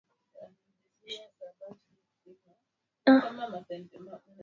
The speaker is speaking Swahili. Shangazi ataenda baka mutosheye makala yake kesho